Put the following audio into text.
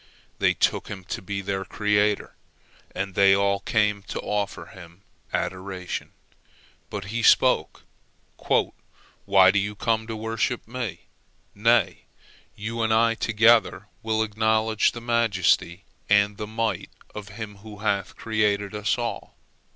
They took him to be their creator, and they all came to offer him adoration. But he spoke: "Why do you come to worship me? Nay, you and I together will acknowledge the majesty and the might of Him who hath created us all.